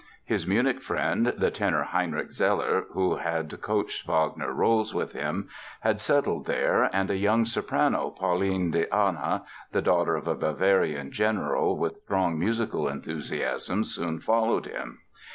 His Munich friend, the tenor Heinrich Zeller, who had coached Wagner roles with him, had settled there, and a young soprano, Pauline de Ahna, the daughter of a Bavarian general with strong musical enthusiasms, soon followed him.